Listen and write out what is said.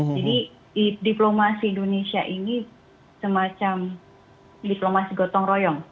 jadi diplomasi indonesia ini semacam diplomasi gotong royong